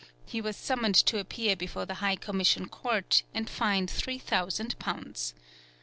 He was summoned to appear before the High Commission Court, and fined three thousand pounds.